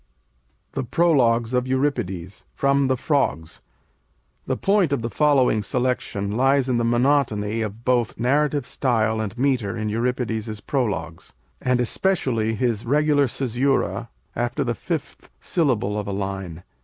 THE PROLOGUES OF EURIPIDES From 'The Frogs' [The point of the following selection lies in the monotony of both narrative style and metre in Euripides's prologues, and especially his regular cæsura after the fifth syllable of a line.